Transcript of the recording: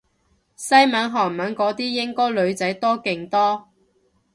西文韓文嗰啲應該女仔多勁多